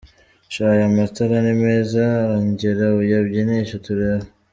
Sha aya matara ni meza, ongera uyabyinishe turebe.